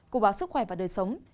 cụ báo sức khỏe và đời sống